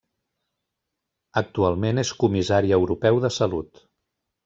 Actualment és comissari europeu de salut.